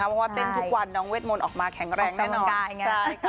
เพราะว่าเต้นทุกวันน้องเวทมนต์ออกมาแข็งแรงแน่นอน